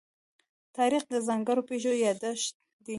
تاریخ د ځانګړو پېښو يادښت دی.